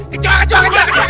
kejuang kejuang kejuang